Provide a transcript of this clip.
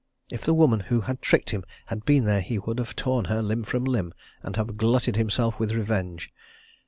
If the woman who had tricked him had been there he would have torn her limb from limb, and have glutted himself with revenge.